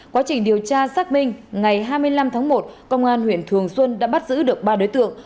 quá trình điều tra xác minh ngày hai mươi năm tháng một công an huyện thường xuân đã bắt giữ được ba đối tượng